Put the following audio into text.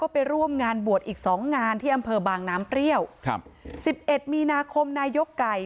ไปร่วมงานบวชอีกสองงานที่อำเภอบางน้ำเปรี้ยวครับสิบเอ็ดมีนาคมนายกไก่